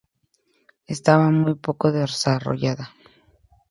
Estaba muy poco desarrollada.